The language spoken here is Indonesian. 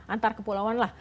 antar kepulauan lah